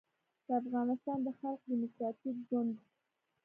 د افغانستان د خلق دیموکراتیک ګوند